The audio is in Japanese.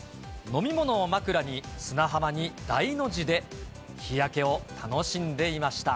飲み物を枕に砂浜に大の字で日焼けを楽しんでいました。